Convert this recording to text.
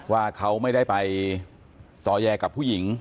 ว่าเขาไม่ได้ไปต่อแยกับผู้หญิง